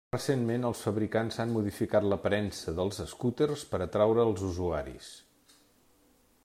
Recentment, els fabricants han modificat l'aparença dels escúters per atraure els usuaris.